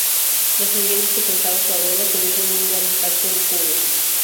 Las leyendas que contaba su abuela tuvieron un gran impacto en Hughes.